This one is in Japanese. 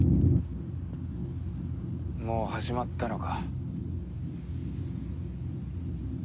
もう始まったのか。